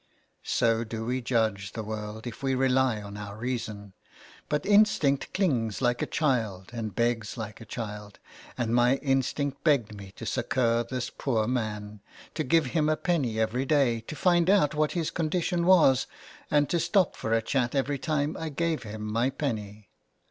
So do we judge the world if we rely on our reason, but instinct clings like a child and begs like a child, and my instinct begged me to succour this poor man, to give him a penny every day, to find out what his condition was, and to stop for a chat every time I gave him my penny.